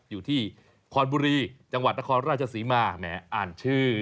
อยู่ที่คอนบุรีจังหวัดนครราชศรีมาแหมอ่านชื่อ